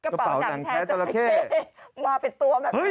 กระเป๋านังแท้เจราะเชศมาเป็นตัวแบบนี้